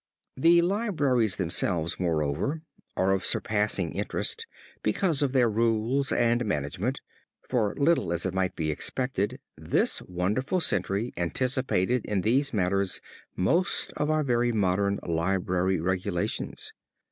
The libraries themselves, moreover, are of surpassing interest because of their rules and management, for little as it might be expected this wonderful century anticipated in these matters most of our very modern library regulations.